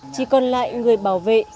chỉ còn lại người bảo vệ